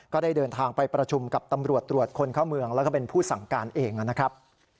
ก็ได้เดินทางไปประชุมกับตำรวจตรวจคนเข้าเมืองแล้วก็เป็นผู้สั่งการเองนะครับ